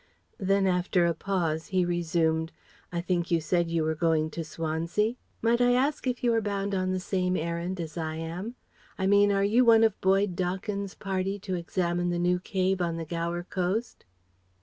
Then after a pause he resumed: "I think you said you were going to Swansea? Might I ask if you are bound on the same errand as I am? I mean, are you one of Boyd Dawkins's party to examine the new cave on the Gower coast?"